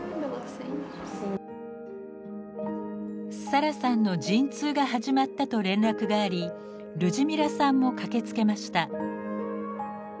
サラさんの陣痛が始まったと連絡がありルジミラさんも駆けつけました。